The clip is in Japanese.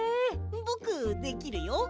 ぼくできるよ。